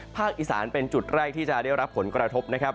อีสานเป็นจุดแรกที่จะได้รับผลกระทบนะครับ